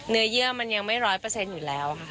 เยื่อมันยังไม่ร้อยเปอร์เซ็นต์อยู่แล้วค่ะ